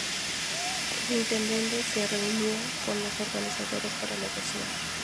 El intendente se reunión con los organizadores para negociar.